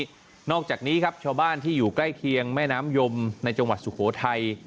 นอกจากนี้ครับชาวบ้านที่อยู่ใกล้เคียงแม่น้ำยมในจังหวัดสุโขทัย